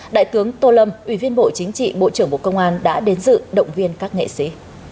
đại tướng tô lâm ủy viên bộ chính trị bộ trưởng bộ công an đã đến dự động viên các nghệ sĩ